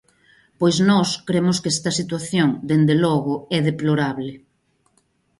Pois nós cremos que esta situación, dende logo, é deplorable.